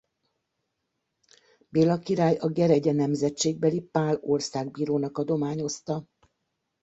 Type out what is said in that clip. Béla király a Geregye nemzetségbeli Pál országbírónak adományozta.